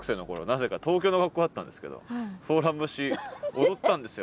なぜか東京の学校だったんですけど「ソーラン節」踊ったんですよ。